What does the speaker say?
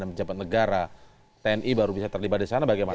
dan penjabat negara tni baru bisa terlibat di sana bagaimana